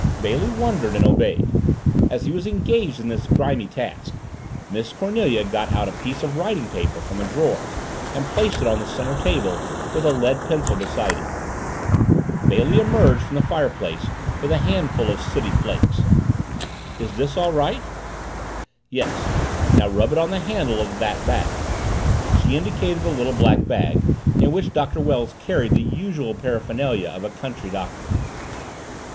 Bailey wondered and obeyed. As he was engaged in his grimy task, Miss Cornelia got out a piece of writing paper from a drawer and placed it on the center table, with a lead pencil beside it. Bailey emerged from the fireplace with a handful of sooty flakes. "Is this all right?" "Yes. Now rub it on the handle of that bag." She indicated the little black bag in which Doctor Wells carried the usual paraphernalia of a country Doctor.